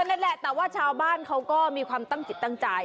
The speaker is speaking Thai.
นั่นแหละแต่ว่าชาวบ้านเขาก็มีความตั้งจิตตั้งใจ